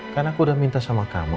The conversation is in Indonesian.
karena aku udah minta sama kamu